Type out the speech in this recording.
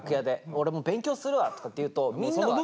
「俺勉強するわ」とかって言うとみんなが「いいいい」。